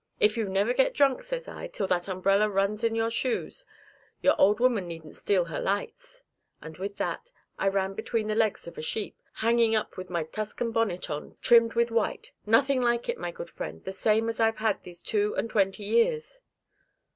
'If you never get drunk,' says I, 'till that umbrella runs in your shoes, your old woman needn't steal her lights,' and with that I ran between the legs of a sheep, hanging up with my Tuscan bonnet on trimmed with white nothing like it, my good friend, the same as I've had these two and twenty years."